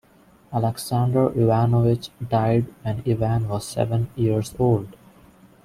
Alexander Ivanovich died when Ivan was seven years old.